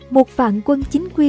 một vạn quân chính quy